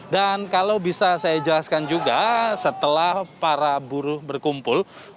dan kalau bisa saya jelaskan juga setelah para buruh berkumpul